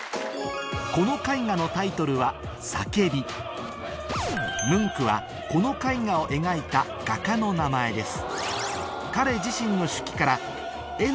この絵画のタイトルはムンクはこの絵画を描いた画家の名前です